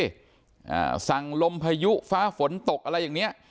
อ่าสั่งลมพายุฟ้าฝนตกอะไรอย่างเนี้ย